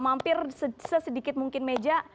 hampir sesedikit mungkin meja